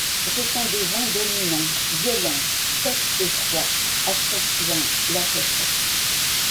Ce sont des vents dominants, violents, secs et froids, accentuant la sécheresse.